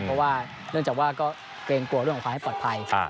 เพราะว่าเนื่องจากว่าก็เกรงกลัวเรื่องของความให้ปลอดภัย